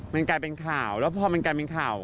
มันกลายเป็นข่าวแล้วพอมันกลายเป็นข่าว